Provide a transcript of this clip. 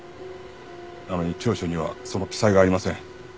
なのに調書にはその記載がありません。